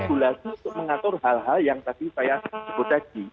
regulasi untuk mengatur hal hal yang tadi saya sebut tadi